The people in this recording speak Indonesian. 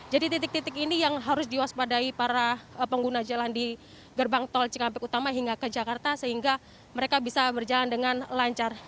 jadi titik titik ini yang harus diwaspadai para pengguna jalan di gerbang tol cikampek utama hingga ke jakarta sehingga mereka bisa berjalan dengan lancar